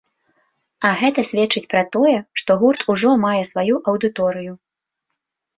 А гэта сведчыць пра тое, што гурт ужо мае сваю аўдыторыю.